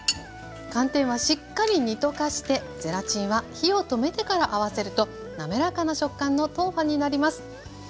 寒天はしっかり煮溶かしてゼラチンは火を止めてから合わせると滑らかな食感の豆花になります。